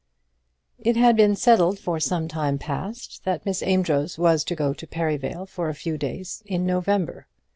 It had been settled for some time past that Miss Amedroz was to go to Perivale for a few days in November.